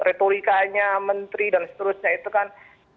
retorikanya menteri dan seterusnya itu kan